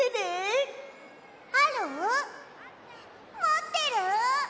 もってる？